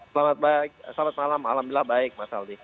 selamat malam alhamdulillah baik mas aldi